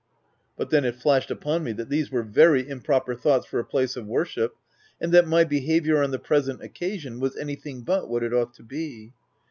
But then, it flashed upon me that these were very improper thoughts for a place of worship, and that my behaviour, on the present occa sion, was anything but what it ought to be.